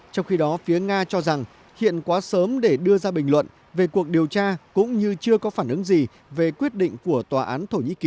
trong khi đó phía nga cho rằng hiện quá sớm để đưa ra bình luận về cuộc điều tra cũng như chưa có phản ứng gì về quyết định của tòa án thổ nhĩ kỳ